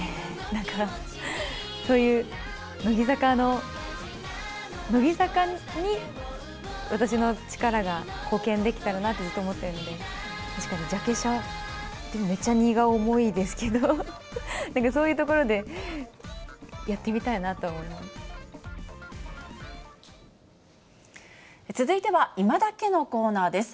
なんか、そういう乃木坂の、乃木坂に私の力が貢献できたらなって、ずっと思ってるので、確かにジャケ写、めっちゃ荷が重いですけど、そういうところでやってみたいな続いては、いまダケッのコーナーです。